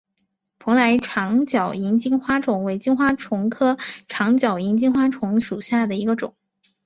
蓬莱长脚萤金花虫为金花虫科长脚萤金花虫属下的一个种。